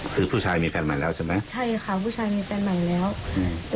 คือผู้ชายมีแฟนใหม่แล้วใช่ไหมใช่ค่ะผู้ชายมีแฟนใหม่แล้วอืม